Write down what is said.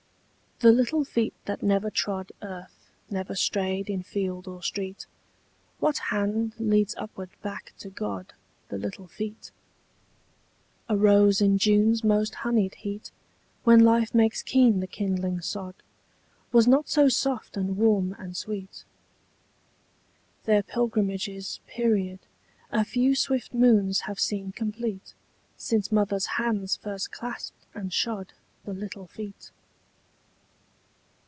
The little feet that never trod Earth, never strayed in field or street, What hand leads upward back to God The little feet? A rose in June's most honied heat, When life makes keen the kindling sod, Was not so soft and warm and sweet. Their pilgrimage's period A few swift moons have seen complete Since mother's hands first clasped and shod The little feet.